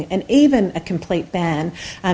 dan bahkan penelitian penuh